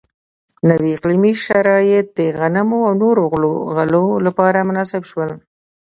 نوي اقلیمي شرایط د غنمو او نورو غلو لپاره مناسب شول.